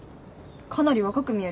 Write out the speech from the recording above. かなり若く見えるけど。